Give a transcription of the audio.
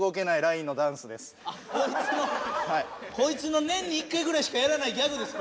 こいつの年に１回ぐらいしかやらないギャグです